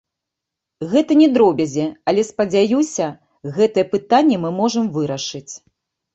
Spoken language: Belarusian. Гэта не дробязі, але, спадзяюся, гэтыя пытанні мы можам вырашыць.